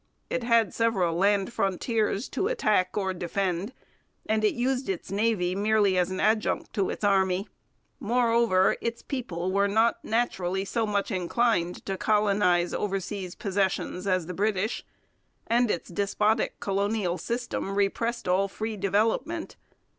It had several land frontiers to attack or defend, and it used its Navy merely as an adjunct to its Army. Moreover, its people were not naturally so much inclined to colonize over sea possessions as the British, and its despotic colonial system repressed all free development.